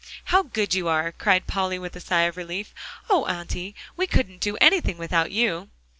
"How good you are," cried Polly with a sigh of relief. "Oh, Auntie! we couldn't do anything without you."